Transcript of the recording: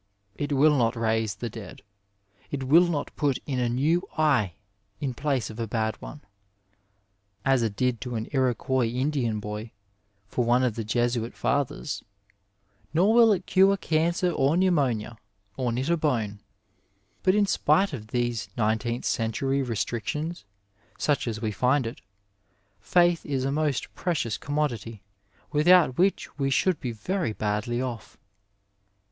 It will not raise the dead ; it will not put in a new eye in place of a bad one (as it did to an Iroquois Indian boy for one of the Jesuit fathers), nor will it cure cancer or pneumonia, or knit a bone ; but, in spite of these nineteenth century restrictions, such as we find it, faith is a most precious commodity, without which we should be very badly off.